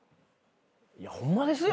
いやホンマですよ。